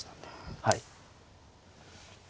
はい。